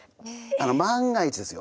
万が一ですよ？